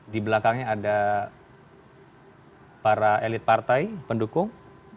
di belakangnya ada para elit partai pendukung